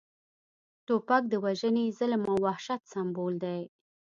توپک د وژنې، ظلم او وحشت سمبول دی